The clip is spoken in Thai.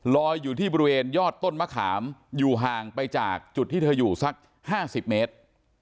อยู่ที่บริเวณยอดต้นมะขามอยู่ห่างไปจากจุดที่เธออยู่สัก๕๐เมตร